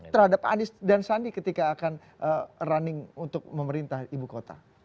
terhadap anies dan sandi ketika akan running untuk memerintah ibu kota